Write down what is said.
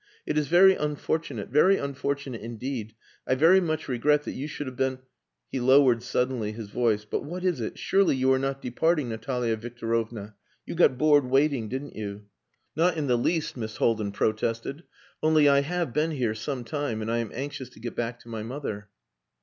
"It is very unfortunate very unfortunate indeed. I very much regret that you should have been...." He lowered suddenly his voice. "But what is it surely you are not departing, Natalia Victorovna? You got bored waiting, didn't you?" "Not in the least," Miss Haldin protested. "Only I have been here some time, and I am anxious to get back to my mother."